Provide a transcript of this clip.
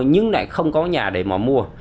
nhưng lại không có nhà để mà mua